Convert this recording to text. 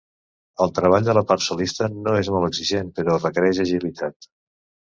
El treball de la part solista no és molt exigent, però requereix agilitat.